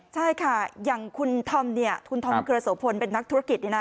ใช่ค่ะอย่างคุณธอมเนี่ยคุณธอมมันคือสวพลเป็นนักธุรกิจนะ